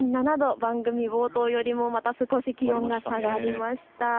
番組冒頭よりもまた少し気温が下がりました。